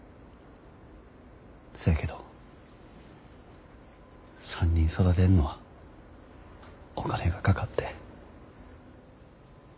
そやけど３人育てんのはお金がかかって。